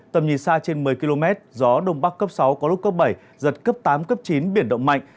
tầm nhìn xa trên một mươi km gió đông bắc cấp sáu có lúc cấp bảy giật cấp tám cấp chín biển động mạnh